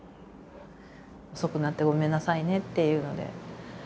「遅くなってごめんなさいね」っていうので。